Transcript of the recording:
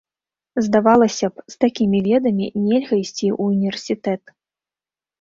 Здавалася б, з такімі ведамі нельга ісці ў універсітэт.